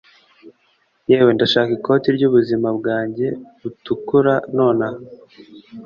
yewe ndashaka ikoti ryubuzima bwanjye butukura nonaha